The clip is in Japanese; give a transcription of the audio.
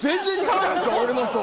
俺のと。